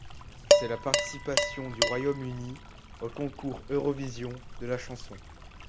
C'est la participation du Royaume-Uni au Concours Eurovision de la chanson.